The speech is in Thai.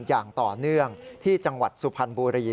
อย่างต่อเนื่องที่จังหวัดสุพรรณบุรี